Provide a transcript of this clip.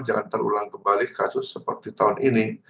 jangan terulang kembali kasus seperti tahun ini